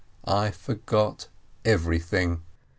I forgot everything.